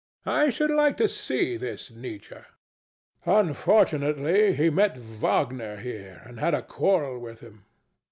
I should like to see this Nietzsche. THE DEVIL. Unfortunately he met Wagner here, and had a quarrel with him.